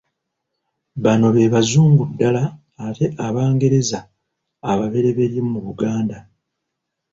Bano be Bazungu ddala ate Abangereza ababeryeberye mu Buganda.